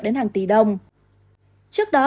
đến hàng tỷ đồng trước đó